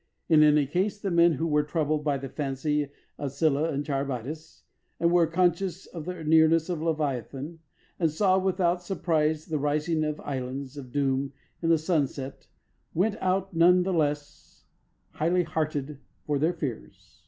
In any case the men who were troubled by the fancy of Scylla and Charybdis, and were conscious of the nearness of Leviathan, and saw without surprise the rising of islands of doom in the sunset went out none the less high heartedly for their fears.